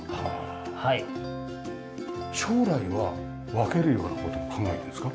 将来は分けるような事も考えてるんですか？